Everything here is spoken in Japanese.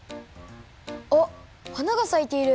あっ花がさいている！